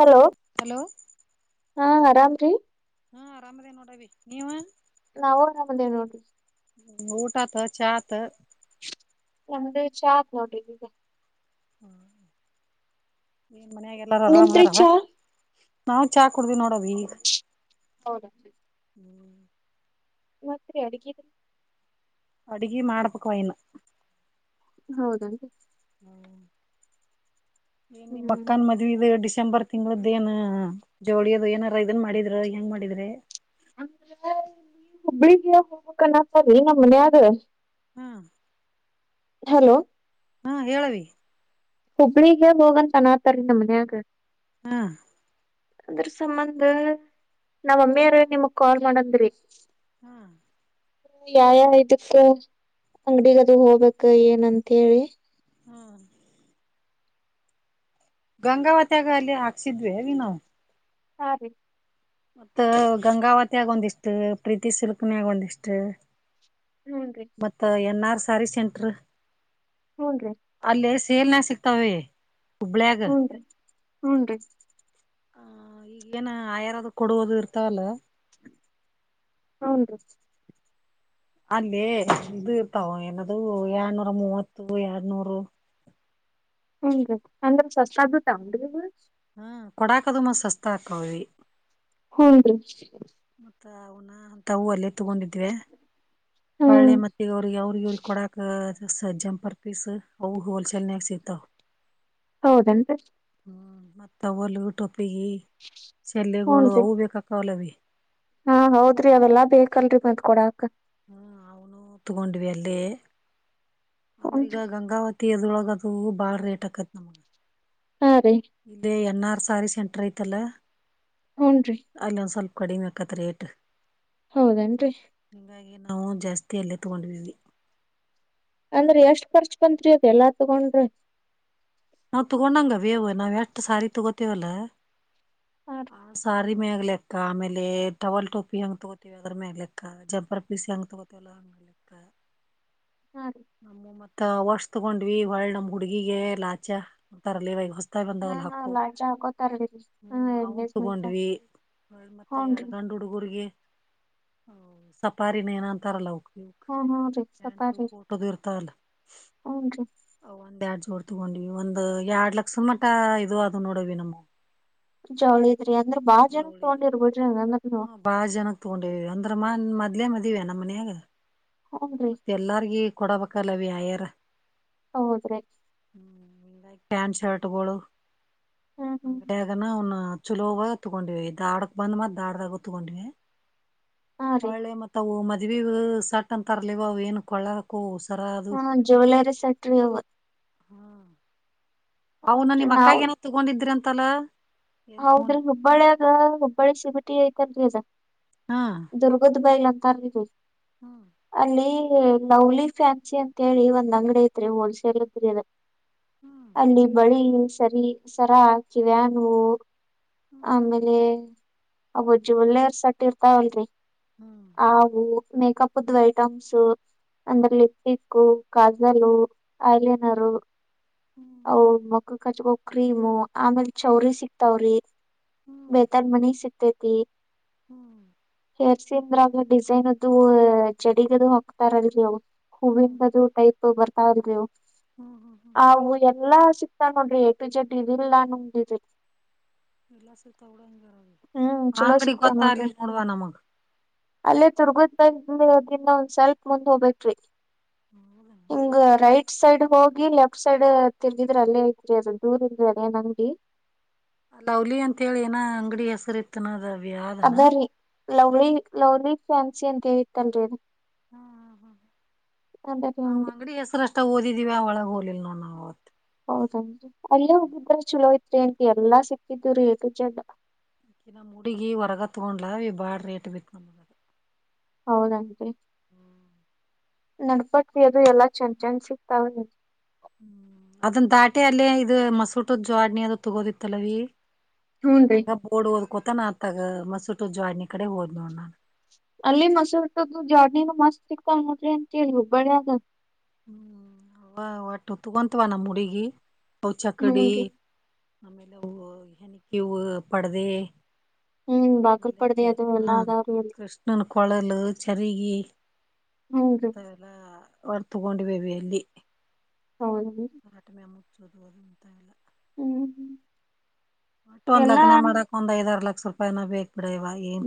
Hello hello ಹಾ ಆರಾಮ್ರೀ ಹಾ ಆರಾಮದೇ ನೋಡವಿ ನೀವ ನಾವುರು ನಮ್ಮಂದೇ ನೋಡ್ರಿ ಕುತತ ಚಾತ್ ನಮ್ದು ಚಾತ್ ನೋಡ್ರಿ ಈಗ ಹ್ಮ ನಿ ಮನಯಾಗೆಲ್ಲಾರೂ ನಿಮ್ದ್ರಿ ಆರಾಮದಾರವ ಚಾ ನಾವು ಚಾ ಕುಡ್ದವಿ ನೋಡವಿ ಈಗ ಹೌದಾ ಮಾತ್ತೆ ಅಡುಗಿದ ಅಡುಗಿ ಮಾಡಬೇಕ್ ವೈನು ಹೌದನ್ರಿ ಹ್ಮ್ ಏನ್ ಹ್ಮ್ ಅಕ್ಕಾನ್ ಮದ್ ಇ ಡಿಸೆಂಬರ್ ತಿಂಗಳದ್ದ ಏನ ಜೋಳಿಯ ಅದು ಏನಾರ ಇದನ್ ಮಾಡಿದ್ರ ಹೆಂಗ್ ಮಾಡಿದ್ರೆ ಅ್ರ ಈ ಹುಬ್ಬಳಿಗೆ ಹೋಗ್ಬಕನ್ನತ್ತರೀ ನಮ್ಮ ಮನ್ಯಾರು ಹ್ಮ ಹಲೋ ಹಾ ಹೇಳವಿ ಹುಬ್ಳಿಗೆ ಹೋಗಂತ ಅನಾತಾರೀ ನಮ್ಮ ಮನ್ಯಾಗ ಹ್ಮ ಅದ್ರ ಸಂಬಂದ ನಾವಮ್ಮಿಯಾರ ನಿಮಗ್ ಕಾಲ್ ಮಾಡಂದ್ರಿ ಹ್ಮ [inaudible] ಯ ಯ ಇದಕ್ಕ ಅಂಗಡಿಗದು ಹೋಗ್ಬೇಕ ಏನಂತ ಹೇಳಿ ಹ್ಮ ಗಂಗಾವತ್ಯಾಗ ಅಲ್ಲಿ ಹಾಕ್ಸಿದ್ವೀ ವಿ ನಾವು ಹಾ ರೀ ಮತ್ತ ಗಂಗಾವತ್ಯಾಗ ಒಂದಿಷ್ಟ ಪ್ರೀತಿ ಸಿಲ್ಕನ್ಯಾಗ ಒಂದಿಷ್ಟ ಹೂನ್ರಿ ಮತ್ತ N R C sari centre ಹ್ನ್ ರೀ ಸೇಲ್ ನ ಸಿಕ್ಕತ ಹೇ ಹ್ನ್ ರೀ ಹ್ನ್ ರೀ ಹ ಈಗ ಏನ ಆಯರದ ಕೊಡುವುದು ಇರ್ತಾವಲ್ಲ ಹೌನ ರಿ ಅಲ್ಲಿ ಇದು ತಾವ ಏನದು ಎಡ್ನೂರ ಮೂವತ್ತು ಎಡ್ನೂರು ಹ ಅಂದ್ರ ಸವಸ್ ತನ ಹ್ಮ ಕೊಡಾಕದ ಮ ಸಸ್ತ ಆಕವವಿ ಹೂಂ ರಿ ಮತ್ತ ಅವನ ಅಂತ ಹೂ ಅಲ್ಲಿ ತಗೊಂಡಿದ್ವೆ ಹ್ಮ್ ಬಳೆ ಮತ್ತೆ ಅವ್ರಿಗೆ ಅವ್ರಿಗೆ ಇವ್ರಿಗೆ ಕೊಡಾಕ ದ ಸ ಜಂಪರ್ಪಿಸಿಸ ಹೊಲಸೇಲ್ ನಕ್ ಸೀತ ಹೌದಂತೆ ಹ್ಮ್ ಮತ್ತ ಒಲ್ ಯೂಟ್ಯೂಬ್ ಪ್ಪಿಗೆ ಶಲ್ಲೆಗಳು ಹೂನ್ರಿ ಅವು ಬೇಕಕ್ಕಾವಲ್ಲವಿ ಹಾ ಹೌದ್ರಿ ಅವೆಲ್ಲಾ ಬೇಕಲ್ರರಿ ಮಂದ್ಕೊಡಕ್ ಹ್ಮ್ ಅವನು ತಗೊಂಡ್ವಿ ಅಲ್ಲಿ ಅಂದ್ರೀಗ ಹೂನ್ರಿ ಗಂಗಾವತಿ ಎದ್ರೊಳ ಅದು ಬಾಳ ರೇಟ್ ಆಕತ್ ನಮ್ಗೆ ಹಾ ರೀ ಇಲ್ಲೇ ಎನ್ನ ಸಾರಿ ಸೆಂಟರ್ ಐತಲ್ಲ ಹೂನ್ರಿ ಅಲ್ಲ ಸ್ವಲ್ಪ ಕಡಿ ಮ ಕತ ರೇಟ ಹೌದೇನ್ರಿ ನಾವು ಜಾಸ್ತಿ ಅಲ್ಲೇ ತಗೊಂಡೀವಿ ಅಂದ್ರೆ ಎಷ್ಟ್ ಖರ್ಚ್ ಬಂತ್ರಿ ಅತ್ ಎಲ್ಲಾ ತಗೊಂಡ್ರಿ ನಾವವು ತಗೋೊಂಡಂಗ ಬೇವು ನಾವ್ ಎಷ್ಟ್ ಸಾರಿ ತಗೋತೇವಲ್ಲ ಹಾ ಸಾರ ಮ ಆಗ್ಲೆಕ್ಕ ಆಮೇಲೆ ಟವಲ್ ಟ ಹೆಂಗ್ ತಗೋತೀವಿ ಅದ್ರ ಮೇ ಆಗ್ಲೆಕ್ಕ ಜಂಪರ್ ಪೀಸ್ ಹೆಂಗ ತಗೋತವಲ್ಲದ ಮೇಗ್ಲೆಕ್ಕ ಹಾ [inaudible] ನ ಮತ್ತ ವರ್ಷ ತಗೊಂಡ್ವಿ ಒಳೆ ನಮ್ ಹುಡ್ಗಿಗೆ ಲಾಚ ಅಂತಾರಲ್ಲವಾ ಹೊಸ ತ್ತಾಯಿ ಹಾ ಬಂದವಲ್ ಹಾ ಹಾಕು ಲಾಡ್ಜ ಹಾಕೋತಾರೀ ಹಾ ಹ್ಮ ಅವಂ ಎಂಗೇಜ್ಮೆಂಟ್ ತಗೊಂಡ್ವಿ ಮತ್ತ ಎರಡು ಹೂನ್ರಿ ಗಂಡು ಹುಡುಗರ್ಗ ಹ ಸಪಾರಿನೇಏನ ಅಂತಾರಲ ಅವಕ್ ಹ್ಮ್ ಹ್ಮ್ ರೀ ಸಪಾರಿ ಊಟೋದರ್ತಲ್ಲ ಹೂನ್ರಿ ಅವ ಎರಡ್ ಜೋಡಿ ತಗೊಂಡವಿ ಒಂದ್ ಎರಡ್ ಲಕ್ಷ ಮಟ ಇದು ಅದು ನೋಡ ಅವ್ವಿ ನಮ್ಮವ ಜಾವಳಿದ ಅಂದ್ರ ಬಾಳ ಜನಕ್ ತಗೊಂಡಿರ್ಬಿಡ್ರಿ ನೀವ ಹಂಗಧರ ಹ್ಮ ಇಲ್ಲೇ ಮದವೇ ನಮ್ಮಮನೆಗ ಹೂನ್ರಿ ಮತ್ತ ಎಲ್ಲಾರಗ ಕೊಡ ಬಕ್ಕಾಲ ಅವ್ವಿ ಆಯರ ಹೌದ್ರಿ [unintelligible] ಕ್ ಪ್ಯಾಂಟ್ ಶರ್ಟ್ಗಳುಗಳು [unintelligible] ಹ್ಮ್ ಹ್ಮ್ ಅಂಗಡಿಗೂ ನು ಅವನು [unintelligible] ಚುಲೋವ ತಗೊಂಡಿವಿ ಧಾರವಾಡಕ್ ಬಂದ್ ಮತ್ ಧಾರವಾಡ ತಗೊಂಡಿವಿ [unintelligible] ಹಾ ರೀ ಹಾಳೆ ಮತ್ತ ಹ ಮ [unintelligible] ಇದ್ ಸಟ್ ಅಂತರ್ಲಿವ ಏನ ಕೊಳ್ಳಗ ಅಕ್ಕೋನವ ಕೋರ್ಸ್ ಹಾ ಜ್ಯುವಲರಿ ಸಟ್ರಿ ಅವು ಹಾ ಅವನ್ನ ನಿಮ ಅಕ್ಕ ನ ತೊಗೊಂಡಿದ್ರ ಅಂತ ತನ್ನ ಹೌದ್ರೀ ಹುಬ್ಬಳ್ಯಾಗ ಹುಬ್ಬಳಿ ಶಿಮ ಟೀ ಕಲ್ ರೆಸಾ ಹಾ ದುರ್ಗದ ಬೈಲ ಕಳಿದೋಸ ಹ್ಮ್ ಅಲ್ಲಿ ಲವ್ಲಿ ಫ್ಯಾನ್ಸಿ ಅಂತ ಹೇಳಿ ಒಂದ್ ಅಂಗಡಿ ಐತ್ರಿ ಹೋಲ್ಸೇಲ್ ಇದ್ರಿ ಅದ ಹ್ಮ್ [unintelligible] ಅಲ್ಲಿ ಬಳಿ ಇ ಸರಿ ಸರಾ ಕಿವ್ಯಾನವು ಹ್ಮ್ ಆಮೇಲೆ ಅವ ಜೂವೆಲರ್ ಸಟ್ಟ ಇರ್ತಾವಲ್ರರಿ ಹ್ಮ್ ಅವಾಗ ಮೇಕೇಕಪ್ ದ ಐಟಮ್ಸ್ ಅಂದ್ರ ಲಿಪ್ಸ್ಟಿಕ್ ಕಾಜಲ್ ಹ್ಮ್ ಐಲೆನರ್ ಹ್ಮ್ ಅವು ಮಕ್ಕಕ್ ಕಚ್ಕೋಕ್ರೀಮು ಆಮೇಲ್ ಚೌರಿ ಸಿಕ್ತಾವ್ರಿ ಹ್ಮ್ ಹ್ಮ್ ಬೇಹತರ್ ಬನಿ ಸಿಕ್ತ ಮತ್ತು ಹ್ಮ್ [unintelligible] ಜರ್ಸಿ ಅಂದ್ರಾಗ್ಲ ಡಿಸೈನ್ ಅದು ಚಡಿಗದು ಹೋಗಕ್ತಾರಲ್ರಿ ಹ್ಮ್ ಹೂವಿಂದದು ಟೈಪ್ ಬರ್ತ ಹೌದರಿವು ಹ್ಮ್ ಹ್ಮ್ ಹವು ಎಲ್ಲಾ ಸಿಕ್ತಾ ನೋಡ್ರಿ ಕ್ ಜಡ್ ಇದಿಲ್ಲ ನಂಗ್ದಿದಿರಿ ಇಲ್ಲ ಸಲ್ತ ಉಡಂಗ ಬರ ಚಲೋ ಅಂಗಡಿ ಸಿಗ್ತಾವ ನೋಡ್ರಿ ಗೊತ್ತರ್ಲಿಲ್ಲ ನೋಡುವ ನಮಗ ಅಲ್ಲೇ ತುರ್ಗುದ ಬಂದ ದನ್ನ ಒಂದ್ ಸ್ವಲ್ಪ ಮುಂದ್ ಹೋಗಬೇರಿ [unintelligible] ಈಂಗ ರೈಟ್ ಫ್ಟ್ ಸೈಡ್ ಹೋಗಿ ಲೆಫ್ಟ್ ಸೈಡ್ ತಿರ್ಗಿದ್ರೆ ಅಲ್ಲೇ ಐತ್ರಿ ಅದ ದೂರ ಇಲ್ಲರಿ ಅದ ಏನ್ ಅಂಗಡಿ ಲವ್ಲಿ ಅಂತ ಹೇಳಿ ಏನ ಅಂಗಡಿ ಹೆಸರು ಇತ್ತೇನ ಅದ ವ್ಯಾಧನ [unintelligible] ಅದರಿ ಲವ್ಲಿ ಲವ್ಲಿ ಫ್ಯಾನ್ಸಿ ಅಂತ ಹೇಳಿ ಇತ್ತಲ್ರಿ ಅದ ಹಾ ಹಾ ನಮ್ಮ ಅಂಗಡಿ ಹೆಸರ ಅಂತ ಓದಿದೇವಿ ಆ ಒಳಗ್ ಹೋಗಲಿಲ್ಲ ನೋಡ್ ನಾವ್ ಹೌದೆ ನ್ರಿ ಅಲ್ಲೇ ಹೋಗಿದ್ರ ಚಲೋ ಇತ್ತ ರಾ ಅಂತ ಎಲ್ಲಾ ಸಿಗ್ತಿಡುವರೀ ಏ ಟು ಜೆಡ್ ನಮ್ಮ್ ಹುಡುಗಿ ಹೊರಗ ತಗೊಂಡ್ಲ ಬಾಳ ರೇಟ್ ಬಿತ್ ನಮಗದು ಹೌದೆನ್ರಿ ಹ ನಡಪಟ್ಟಿ ಅದು ಎಲ್ಲ ಚಂದ ಚಂದ ಸಿಗ್ತಾವ ರಿ ಅದನ್ ದಾಟಿ ಅಲ್ಲೇ ಇದು ಮಸೂಟದ್ ಜೋಡಣಿ ಅದು ತಗೋದಿತ್ತಲವೀ [unintelligible] ಅದು ಹೂನ್ರಿ ನಂಗ ಪಡುುವದು [unintelligible] ಕೊತನಾತಗ ಮಸೂತ ಜ್ವಾಡಿನಿ ಕಡೆ ಹೋದ್ ನೋ ನಾನ ಅಲ್ಲಿ ಮಸರು ಇರ್ತದ್ದು ಜರ್ನಿನ ಮಸ್ತ್ ಸಿಕ್ತಾವ ನೋಡ್ರಿ ಆಂಟಿ ಅಲ್ಲಿ ಹುಬ್ಬ್ಯಾಗ್ [unintelligible] ಹಾ ಒಟ್ಟು ತಗೊಂತವಾ ನಮ್ಮ ಹುಡಗಿ ಪೌಚಕ್ಕಡಿ ಹುನ್ರಿ ಆಮೇಲೆ ಅವ ಇವ ಪಡದೆ ಹ್ಮ್ ಬಾಗಲ್ ಪಡ್ಡೆ ಅದು ಎಲ್ಲಾ ಹಾ ಅದಾವ್ರಿ ಅಲ್ಲಿ ಕೃಷ್ಣನ್ ಕೊಳಲು ಚರಗಿ [unintelligible] ಹುನ್ರಿ ಹಿಂತವ ಎಲ್ಲಾ ಒ [unintelligible] ತಗೊಂಡ ಅವಿ ಅಲ್ಲಿ ಹೌದ್ರಿ ಹತ್ತ ಮ್ಯಾಮು, ಚೂಟ ಉದ್ದ ಇಲ್ಲ [unintelligible] ಹೂ ಹು ಒಟ್ಟ ಒಂದ್ ಲಗ್ನ ಮಾಡಕ್ ಒಂದ್ ಐದಾರು ಲಕ ಲಕ್ಷ ರುಪೈನ ಬೇಕ [unintelligible]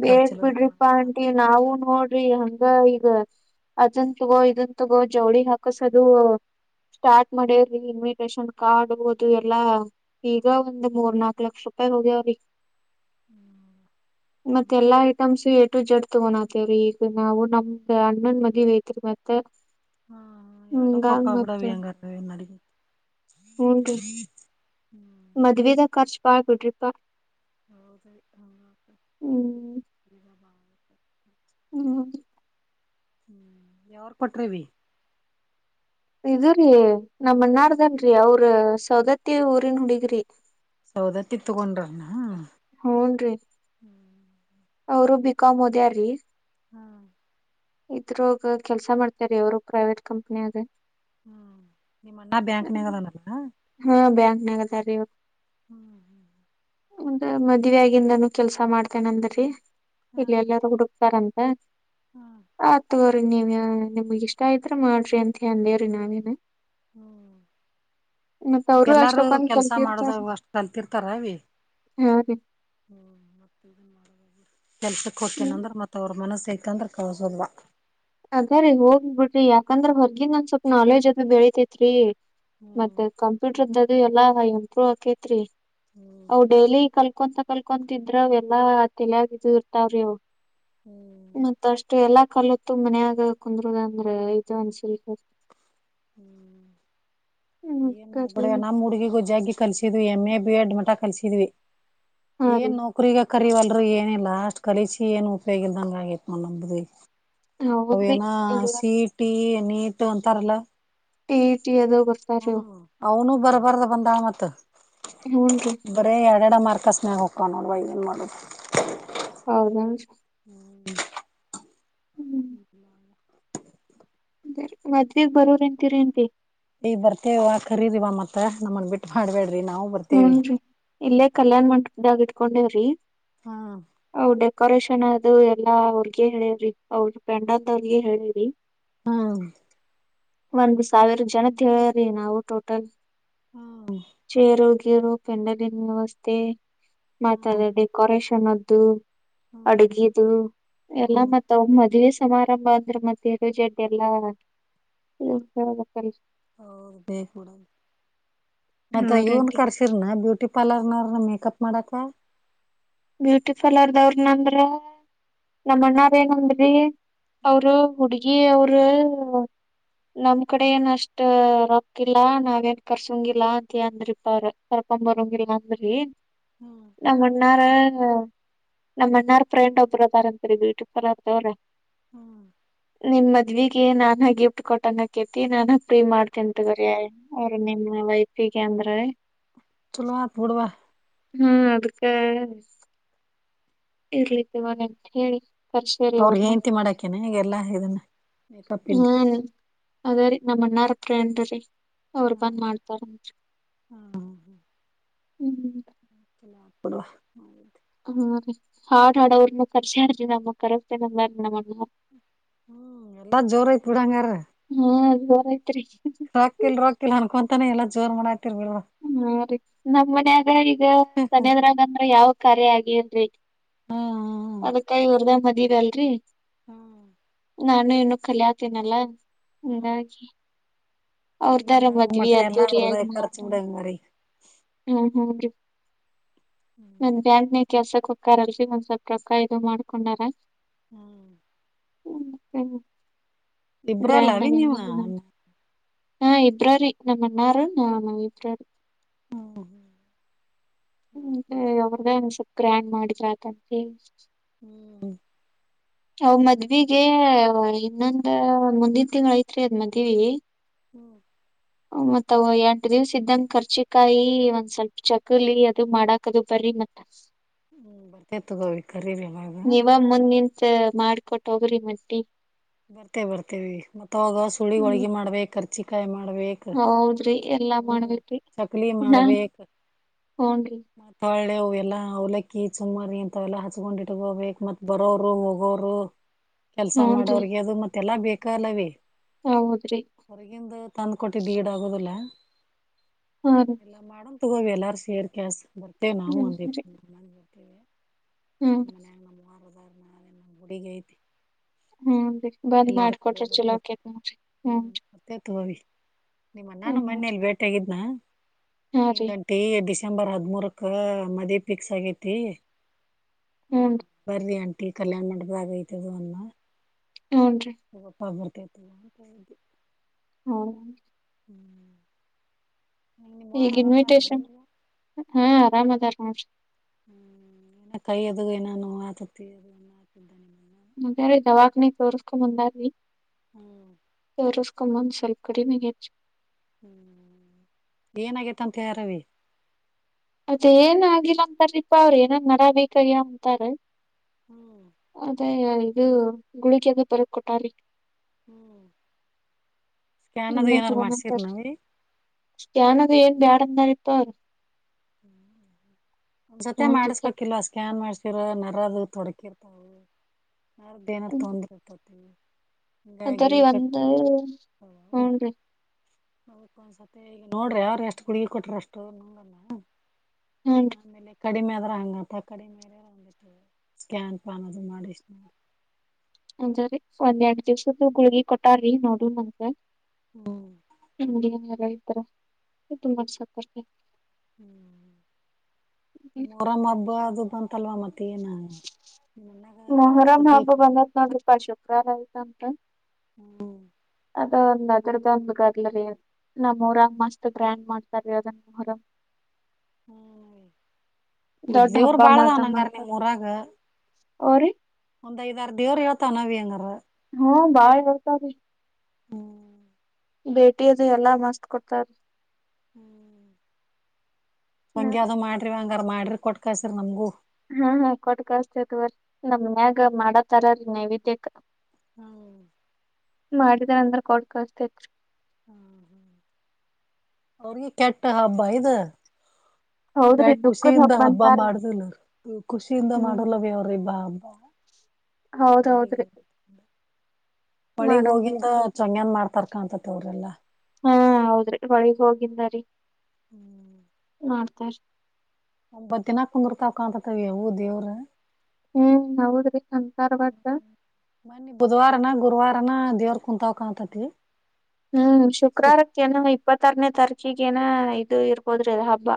ಬೇಕ ಬಿಡ್ರಿಪಾ ಆಂಟಿ ನಾವು ನೋಡ್ರಿ ಹಂಗ ಗ ಅದನ್ ತಗೋ ಇದನ್ ತಗೋ ಜವಳಿ ಹಾಕಸದು ಸ್ಟಾರ್ಟ್ ಮಾಡೇರಿ ಇನ್ವಿಟೇಶನ್ ಕಾರ್ಡ್ ಹದು ಎಲ್ಲಾ ಈಗ ಒಂದ್ ಮೂರ್ ನಾಲ್ಕ ಲಕ್ಷ ರೂಪಾಯಿ ಹೋಗ್ಯವ್ರಿ, ಹು [unintelligible] ಮತ್ತ ಎಲ್ಲಾ ಐಟಮ್ಸ್ ಎ ಎಟು ಝೆಡ್ ತೊಗೋನಾತೇವ್ರೀ ಈಗ ನಾವು ನಮ್ಮ ಅಣ್ಣನ ಮದವಿ ಐತ್ರಿ ಮತ್ತ ಹ ಹ್ಮ್ ಎರಡುಕೊ ಹಿಂಗಾಗ್ ಅಕ್ಕವ ಬಿಡು ಅವಿ ಮತ್ತ ಹಂಗದ್ರಾ ನಡಿತ ಹುನ್ರಿ ಮದವಿದ ಖರ್ಚ ಬಾಳ ಬಿಡ್ರಿಪಾ ಹೌದ್ರೀ ಹಂಗ ಅಕೇತ್ ಹ್ಮ್ ಈದ ಬಾಳ [unintelligible] [inaudible] ಯಾವ್ ಊರ್ ಕೊಟ್ರ ಅವಿ, ಇದು ರಿ ನಮ್ಮ ಅನ್ನರದಲ್ಲರಿ ಅವ್ರ ಸವದತ್ತಿ ಊರಿನ ಹುಡ್ಗಿರಿ. ಸೌದತ್ತಿಗ್ ತೊಗೊಂಡ್ರ್ ಏನ್? ಹೂನ್ರಿ ಅವರು ಬಿಕಾಂ ಓದ್ಯಾರಿ. ಹ- ಇದ್ರೋಗ ಕೆಲಸಾ ಮಾಡ್ತಾರ ಅವರು ಪ್ರೈವೇಟ್ ಕಂಪನ್ಯಾಗ. ಹ- ನಿಮ್ಮ ಅಣ್ಣ ಬ್ಯಾಂಕ್ನಾಗದಾನಲ್ಲ? ನಾಗ್ ಅದಾರ್ ರೀ ಅವ್ರು. ಹೂ ಮುಂದ ಮದಿವ್ಯಾಗಿನಂದಾನೂ ಕೆಲಸಾ ಮಾಡ್ತೇನ ಅಂದ್ ರಿ, ಹಾ ಇಲ್ಲಿ ಎಲ್ಲಾರೂ ಹುಡುಕ್ತಾರಂತ, ಹ್ಮ್ ಹ ಆತ ತೊಗೋ- ರಿ ನೀವ ನಿಮಗ್ ಇಷ್ಟ ಇದ್ರ ಮಾಡ್ರಿ ಅಂತ ಅಂದೇವಿರಿ ನಾವೇನ ಹು ಮತ್ ಅವರು ಈಗೆಲ್ಲಾರೂ ಅಷ್ಟಕ್ಕೊಂದ್ ಕೆಲಸಾ ಮಾಡದ ಕಲ್ತಿರ್ತಾರ ಅಷ್ಟ ಕಲ್ತಿರ್ತಾರ ಅವಿ - ಹಾ ರೀ ಕೆಲಸಕ್ಕ ಹೊಕ್ಕೇನ್ ಹ್ಮ್ ಅಂದ್ರ ಮತ್ ಅವರ ಮನಸ ಐತಿ. ಬೇಕಂದ್ರೆ ಕಲ್ಸೊದ್ವಾ. ಅದ್ರರಿ ಹೋಗ್ ಬಿಡ್ರಿ ಯಾಕಂದ್ರ ಹೊರ್ಗಿನ್ ಒಂದ್ ಸ್ವಲ್ಪ್ ನಾಲೆಜ್ ಅದು ಬೆಳತೆತ್ರಿ. ಹ್ಮ್ ಮತ್ತೆ ಕಂಪ್ಯೂಟರ್ ದ ಇದು ಎಲ್ಲ ಇಂಪ್ರೂವ್ ಅಕ್ಕೆತ್ರಿ. ಹ್ಮ್ ಅವ್ ಡೈಲಿ ಕಲ್ ಕೊಂತ ಕಲ್ಕೊಂತಿದ್ರ್ ಅವೆಲ್ಲಾ ತೆಲ್ಯಾಗ್ ಇದು ಇರ್ತಾವ್ರೀ ಅವು ಹ್ಮ್ ಮತ್ತಷ್ಟು ಎಲ್ಲ ಕಲ [inaudible] ತುಂಬ ಮನ್ಯಾಗ ಕುಂದರುದ ಅಂದ್ರೆ ಇದು ಅನ್ಸಲ್ ಹ್ಮ್ [unintelligible] ಏನ್ ಮಾಡ್ಬ ಮತ್ತರಿ ಬಿಡವ ನಮ್ಮ್ ಹುಡುಗಿಗೂ ಜಗ್ಗ ಕಲ್ಸಿದ್ವಿ ಎಮ್ಮೆ ಬಿಎಡ್ ಮಠ ಪಟ ಕಲಿಸಿದ್ವಿ ಹಾ ಏ ರೀ ನೌಕರಿ ಕ ಕರಿವಲ್ರು ಏನಿಲ್ಲ ಅಷ್ಟ್ ಕಳಿಸಿಿ ಏನು ಉಪಯೋಗಿಲ್ದಂಗ ಆಗೇತ್ ನೋಡ್ ನಮ್ದಬಿ. ಹೌದ್ರಿ ಅವೇನ ಎಲ್ಲ ಸಿಇಟಿ ನೀಟ್ ಅಂತಾರಲ್ಲ ಟಿ ಇ ಅವನು ಬರ್ದ್ ಬರ್ದ ಬಂದಾಳ ಮತ್ತ ಹೂನ್ರಿ ಬರೆೇ ಯ ಎರಡ ಮಾರ್ಕಸ ನ್ಯಾಗ ಹೋಕಾವ ನೋಡ ಏನು ಮಾಡದು ಹೌದ ಹ್ಮ್ ಹ [unintelligible] ಬ ಮದ್ವೆಗ ಬರೋರೇಂತೀರಿಂತೆ ಆಂಟಿ ಈ ಬರ್ತೇವ ಕರೀದಿವ ಮತ್ತ ನಮ್ಮನ್ ಬಿಟ್ಟು ಮಾಡ್ಬೇಡ ಹೂನ್ ರೀ ಇಲ್ಲೇ ಕಲ್ಯಾಣ್ ಮಂಟಪ ಇದಾಗ ಇಟ್ಕೊಂಡೇವ್ರಿ ಹಾ ಅವ್ ಡೆಕೋರೇಷನ್ ಅದು ಎಲ್ಲಾ ಅವ್ರಗ ಹೇಳೇವ್ರಿ ಅವ್ರ ಪೆಂಡಾಲ್ ಅವ್ರಗೆ ಹೇಳಿವ್ರರಿ ಹ್ಮ ಒಂದ ಸಾವಿರ ಜನ ತಿ ಹೇಳ್ರಿ ನಾವು ಟೋಟಲ್ ಹ್ಮ್ ಚೇರ ರೋ ಪೆಂಡಲ ವ್ಯವಸ್ಥೆ ಮತ್ತದ ಹ್ಮ್ ಡೆಕೋರೇಷನ್ ಚನ್ನದ್ದು ಅಡಗಿದು ಎಲ್ಲ ಹ್ಮ್ ಮತ್ತ ಅವ ಮದ್ವೆ ಸಮಾರಂಭ ಅಂದ್ರೆ ಎ ಟು ಝೆಡ್ ಎಲ್ಲಹೇಳಬೇಕಲರೀ ಹೌದು ಬೇಕ ಬಿಡು ಮತ್ತ ಏನ್ ಹೌದೇನ್ರಿ ಕಸಿರ ನ ಬ್ಯೂಟಿ ಪಾರ್ಲರ್ ನ ಮೇಕಪ್ ಮಡಕ ಬ್ಯೂಟಿ ಪಾರ್ಲರ್ದವ್ರನಂದ್ರ ನಮ್ಮ ಅಣ್ಣಾರ್ ಏನಂದ್ರಿ ಅವರು ಹುಡುಗ ಏ ಅವರು ನಮ ಕಡೆ ಏನಷ್ಟ ರೊಕ್ಕಿಲ್ಲಾ ನಾವೇನ್ ಕರ್ಸೋಂಗಿಲ್ಲಾ ಅಂದ್ರಪ ಅವ್ರ ಕರ್ಕೊ ಬರೊಂಗಿಲ್ಲ ಅಂದ್ರಿ. ಹ್ಮ್ ಣ್ಣರ ಹ್ಮ ನಮ್ಮ ಅಣ್ಣಾರ್ ಫ್ರೆಂಡ್ ಒಬ್ರದಾರಂತರಿ ಬ್ಯೂಟಿ ಪಾರ್ಲರ್ದವ್ರ. ಹ್ಮ್ ನಿಮ್ ಮದ್ವಿಗೆ ನಾನ ಗಿಫ್ಟ್ ಕೊಟ್ಟಂಗಕೇತಿ ನಾನಾಗ ಪ್ರೀ ಮಾಡ್ತನ್ ತಗರಿ ಅವ್ರ ನಿಮ್ಮ ವೈಫಿಗೆ ಅಂದ್ರ ಚಲೋ ಆತ್ ಬಿಡವಾ. ಹ್ಮ್ ಅದಕ್ಕ. ಇರ್ಲಿ ತಗೊರಂತೆಳಿ ಬರಶೇರಿ ಅವ್ರ ಅವ್ರನು ಹೆಂಡ್ತಿ ಮಾಡಾಕೇನ ಎಲ್ಲಾ ಇದನ್ನ ಮೇಕಪ್ ಹ್ಮ ಇಂದ ಅದೇ ರೀ ನಮ್ಮ ಅಣ್ಣರ ಪ್ರೇಂಡ ರೀ ಅವರು ಬಂದ್ ಮಾಡ್ತಾರಂತ ಹ್ಮ್ ಚಲೋ ಆತಬಿಡವ ಅವಿದ್ದ ಹ್ಮ್ ರೀ ಹಾಡ ಹಾಡೊರನ್ ಕರ್ಶ್ಯಾರಿ ನಮ್ಮ ಕರಸ್ತಿನಿ ಅಂದರ ನಮಣ್ಣ ಹ್ಮ್ ಎಲ್ಲಾ ಜೋರ ಇತ್ ಬಿಡಾಂಗಾರ. ಜೋರ ಐತ್ರಿ ತನ ಎಲ್ಲ ಜೋರ್ ಮಾಡ ಹ್ಮ ರಿ ನಮ್ ಮನ್ಯಾಗ ಈಗ ತನದ್ರಾಗ ಅಂದ್ರ ಯಾವ ಕರೇ ಆಗಿನ್ ರೀ ಹ್ಮ್ ಅದ್ಕಾಗೀ ಇವರ್ದೆ ಮದ್ವಿ ಅಲ್ರಿ ಹ್ಮ್ ನಾನು ಇನ್ನು ಕಲ್ಯಾತಿನಲ್ಲ. ಹಂಗಾಗಿ. ಅವ್ರದಾರ ನಿಂದ ಮದ್ವಿ ಆಗುಮಟ ಎಲ್ಲಾ ಅವರದ ಈಗ ಖರ್ಚ ಬಿಡ ಮ್ರರಿ ಹ್ಮ ಹ್ಮ ರೀ ಮ ಹ್ಮ್ [unintelligible] ಕೆಲಸಕ್ಕ ಹೂಕ್ಕರ್ ಅಲ್ರಿ ಒಂದ್ ಸ್ವಲ್ಪ ರೊಕ್ಕ ಇದು ಮಾಡ್ಕೊಂಡಾರ ಹ್ಮ್ ಹ್ಮ್ ಹ್ಮ ಇಬ್ರಲ್ಲ ಅವಿ ನೀವು ಹಾ ಇಬ್ರರಿ ನಮ್ಮ್ಣಾರು ನಾನ ಇಬ್ರರಿ ಹ್ಮ್ ಹ್ಮ್ ಬಿಡುವ ಸ ಒ್ರಗ ನ್ ಸಿಕ್ತ [unintelligible] ಗ್ರ್ಯಾಂಡ್ ಮಾಡಿದ್ರಾತಾಂತ ಹೇಳಿ ಹ್ಮ್ ಅವ ಮದ್ವಿಗೆ ಇನ್ನೊಂದ ಮುಂದಿನ ತಿಂಗ್ಳ್ ಐತ್ರಿ ಅದ ಮದ್ವಿ. ಹ್ಮ್ ಮತ್ತ ಅವ ಎಂಟ ದಿವ್ಸ ಇದ್ದಂಗ ಖರ್ಚಿಕಾಯಿ ಒಂದ್ ಸ್ವಲ್ಪ ಚಕಲಿ ಅದು ಮಾಡಾಕದು ಬರ್ರಿ ಮತ್ತ. ಹ್ಮ್ ಬಟ್ಟೇ ತಗೋವಿ ಕರೀರಿವಾಗ ಮಾಡ್ಕೊಟ್ಟ ಹೋಗ್ರಿ ಮಟ್ಟಿ ಬರ್ತೆೇ ಬರ್ತೇವಿ ಮತ್ತವಾಗ ಸುಳಿ ಹೋಳಗೆ ಮಾಡ್ಬೇಕರ್ ಚಿಕಾಯ ಮಾಡ ಹ ಹೌದ್ರಿ ಎಲ್ಲಾ ಮಾಡ್ಬೇಕಿ ಚಕ್ಲಿ ಇದಾ ಮಾಡ್ಬೇಕ ಹನ್ ಮತ್ತ ಹೊಳ್ಳೆ ಎಲ್ಲಾ ಅವಲಕ್ಕಿ ಸುಮ್ಮಾರಿ ಅಂತವೆೆಲ್ಲಾ ಹಚ್ಕೊಂಡಿಟ್ ಹೋಬೇಕಕ್ ಮತ್ ಬರೋರು ಹೋಗೋರು ಕೆಲ್ಸ ಹೂನ್ರಿ ಮಾಡೋರಿಗೆ ಅದು ಮತ್ತೆ ಎಲ್ಲ ಬೇಕ ಅಲ್ಲವೇ ಹೌದ್ರಿ ಹೊರಗಂದು ತಂದು ಕೊಟ್ಟಿದ್ದು ಗೀಡ ಆಗೋದಿಲ್ಲ [inaudible] ಆ ಹಾರಿ ಎಲ್ಲ ಮಾಡ ತಗವೆ ಎಲ್ಲಾರರು ಸೇರ್ಕಾ ಬರ್ತೆೇವೆ ನಾವು ಹ್ಮರಿ ಹ್ಮ್ ರೀ ಒಂದಿಬ್ರು ಇವೇ ಹ್ಮ್ ನಳೆ ನಮ್ಮ ಗುಡಗ ಐತೆ ಹ್ಮ್ ಬಂದ್ ಮಾಡ್ಕೊಟ್ರಿ ಚಲೋಕೇತ್ ನೋಡ್ರಿ ಹ್ಮ್ ನಿಮ್ಮ ನನ್ನ ಮನೆಯಲ್ಲಿ ಬೇಟೆ ಆಗಿದ್ನ ನಿ ಹಾರಿ ಗಂಟೀ ಎದಿಸ್ ಡಿಸೆಂಬರ್ ಹದಿಮೂರಕ್ಕೆ ಮದ್ವೇ ಫಿಕ್ಸ್ ಆಗೈತಿ ಹ್ಮ ಹೂನ್ರಿ ಬರ್ ಆಂಟ ಕಲ್ಯಾಣ ಮಾಡದ ಆಗೈತದ ಅಮ್ಮ ಹೂನ್ರಿ [inaudible] ದಲ್ಲತದು [unintelligible] ಹ್ಮ ಹ್ಮ್ ಹೆಂಗ್ ನಿಮ್ಮವ್ವಾರ ಈಗ ಆರಾಮ್ ಅದಾರ್ನ ಇನ್ವಿಟೇಶನ್ ಈಗ [inaudible] ಹಾ ಆರಾಮದ ಹ ಹ್ಮ್ ಏನ ಕೈಯ ಅದುಗ ನಾನು ಆತತ ಅದ ದವಾಕ ನೀ ತೋರಿಸಸ್ಕ ಬಂದರಿ ಹ್ಮ್ ಹ [inaudible] ಕಮನ್ ಸಲ್ ಕಡೆಮೆಗ್ ಅಚ್ಚು ಹ್ಮ ಏನಗೇತ ಅಂತ ಹೇಳಾರೀ ಅದೇಏನ್ ಆಗಿಲ್ಲ ಅಂತಾರೀಪಾ ಅವ್ರ ಏನನ್ ನರಬೇಕಯ್ಯ ಅಂತಾರ ಹ್ಮ್ [inaudible] ಮತ್ತ ಇದು ಗುಳಿಗೆಂದ ಪರದ ಕೊಟಾರಿ ಹ್ಮ್ [inaudible] ಸ್ಕ್ಯಾನ್ ಅದು ಇನ್ನ ಏನಾದರು ಮಾಡ್ಸರ ತಗೊಂಡಂತಾರ ನಾವೀ ಸ್ಕ್ಯಾನ್ ಅದು ಏನ್ ಬ್ಯಾಡ ಅಂದಾರಪ್ಪ ಅವ ಒ್ಸತೆ ನೋಡ್ರಿ ಮಾಡಸ್ಬೇಕಿಲ್ವಾ ಸ್ಕ್ಯಾನ್ ಮಾಡಸ್ ಸರ ನರ ಅ ತೊಡಕಿರ್ತಾ ನಾರ್ದು ಏನಾರು ತೊಂದ್ರರ್ತತನಿ ಅದರಿ ಒಂದ [inaudible] ಹ್ನ್ ರೀ ಹಕ್ಕ ಒಂದ್ಸತ್ಯ ಈಗ ನೋಡ್ರಿ ಯಾರು ಎಷ್ಟು ಗುಡುಗಿ ಕೊಟ್ರ ಅಷ್ಟು ನೋಡಲ್ಲ [inaudible] ಹೂನ್ರಿ [inaudible] ಕಡಿಮೆ ಆದ್ರ ಹಂಗತ ಕಡಿಮೆಂಗ ಸ್ಕ್ಯಾನ್ ಪ್ಯಾನ್ ಅದು ಮಾಡಿಷ್ಟ ಅಂದ್ರೀ ಒಂದ್ ಎರಡ್ ದಿವಸದ್ದು ಗುಳಗಿ ಕೊಟಾರೀ ನೋಡುಂತೆ ಹ್ಮ್ ಹ [inaudible] ರೈತರ ತುಂಬಾ ಸಾಕಷ್ಟ ಹ್ಮ ಮೊರಂ ಹಬ್ಬ ಅದು ಬಂತ ತಲ್ವಾ ಮಾತೇ ನ ನಿನ್ನಗ ನಿನಗೆ ಮೊಹರಂ ಸಟ್ಟಿ ಹಬ್ಬ ಬಂದತ್ ನೋಡ್ರಿಪಾ [unintelligible] ಹ್ಮ ಅ [inaudible] ಒಂದ್ ಅದರದ ಒಂದು ಗದಲರಿ ನಮ್ಮೂರಾಗ ಮಸ್ತ್ ಗ್ರ್ಯಾಂಡ್ ಮಾಡ್ತಾರೀ ಅದನ್ ಮರ ಹ್ಮ್ [inaudible] ಉದ್ ದೊಡ್ಡ ದೇವ್ರ ಹಬ್ಬ ಬಾಳದಾವ್ ನಂಗರ ನಿಮ್ಮೊರಗ ಹೋರಿ ಒಂದ್ಐದಾರ ದೇವ್ ಹೇಳ್ತಾನಾವವಿ ಹೆಂಗಾರರ ಹಾ ಬಾಯ ಹತ ರೀ ಹ್ಮ ಭೇಟಿದು ಎಲ್ಲಾ ಮಸ್ತ್ ಕೊಡ್ತಾರ ಹ್ಮ್ [inaudible] ಹಂಗಾದ ಮಾಡಟರುವಂಗ ಅ ಮಾಡ್ರಿ ಕೊಟ್ಟ ಕಸ್ರರಿ ನಮಗೂ ಹ್ಮ ಹಾ ಕೊಟ್ಕಸ್ತತ್ ನಮನ್ಯಾಗ ಮಾಡತರ ನೈವೇದ್ಯ ಹ್ಮ್ ಮಾಡಿದ್ರ ಅಂದ್ರ ಕೊಡ್ ಕಸ್ತತ್ [inaudible] ಹ ಹ ಅವರ ಕೆಟ್ಟ ಹಬ್ಬ ಇದು ಗಾ ಹೌದ್ರಿ ದುಃಖದ್ ಖುಷಿಯಿಂದ ಹಬ್ಬ ಅಂತಾರ್ರಿ. ಮಾಡುದಿಲ್ಲ ಖುಷಿಯಿಂದ ಮಾಡಲವ ಅವ್ರ ಇಬ್ಬಾ ಹಬ್ಬ ಹ [inaudible] ಹೌದೌದ್ರೀ ಹೊಳಿಗ್ ಹೋಗಿಂದ ಚೊಂಗ್ಯಾನ ಮಾಡ್ತ ತರ್ಕಾಂತ ತವ್ರಲ್ಲ ಹೂಂ ಹೌದ್ರಿ ಹೊಳಿಗ್ ಹೋಗಿಂದ ರೀ [inaudible] ಮಾಡ್ತಾರ್ರೀ ಒಂಬತ್ತ ದಿನ ಕುಂದರ್ತಾವ ಕಾಂತಾವ್ರೀ ಯವೂ ದೇವ್ರ ಹ್ಮ್ ಹೌದ್ರಿ ಅಂತಾರ ಬಟ್ ಮೋನ್ನೀ ಬುಧವಾರ ನ ಗುರುವಾರ ಮಟಾನ ದೇವರ್ ಕುಂತಾವ ಕಾಣ್ತತಿ ಹ್ಮ್ ಶುಕ್ರಾರಕ್ಕೆ ಏನ ಇಪ್ಪತ್ತಾರನೇ ತಾರೀಕ್ ಈಗೇನ ಇದು ಇರ್ಬೋದ್ರಿ ಅದ ಹಬ್ಬ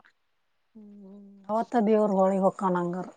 ಕಣಂಗರ್